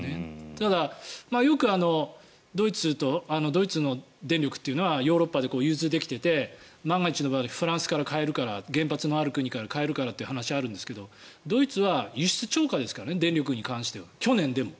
ただ、よくドイツの電力というのはヨーロッパで融通できていて万が一の場合はフランスから買えるから原発がある国から買えるからという話がありますがドイツは輸出超過ですから電力に関しては、去年でも。